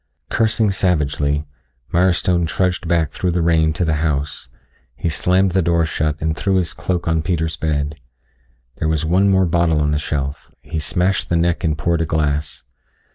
Cursing savagely, Milestone trudged back through the rain to the house. He slammed the door shut and threw his cloak on Peter's bed. There was one more bottle on the shelf; he smashed the neck and poured a glass.